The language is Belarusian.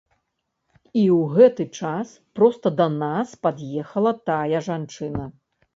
І ў гэты час проста да нас пад'ехала тая жанчына.